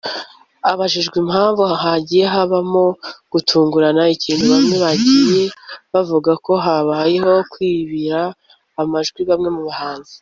abajijwe impamvu hagiye habamo gutungurana ikintu bamwe bagiye bavuga ko habaye kwibira amajwi bamwe mu bahanzi